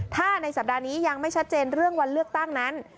ถ้าในสัปดาห์นี้ยังไม่ชัดเจนเรื่องวันเลือกตั้งนั้น